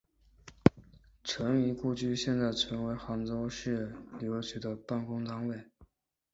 陈仪故居现在成为杭州市旅游局的办公单位。